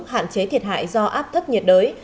hạn chế thiệt hại do áp thấp nhiệt đới